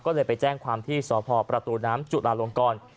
ก็เลยไปแจ้งความที่สพประตูน้ำจุลาลงกร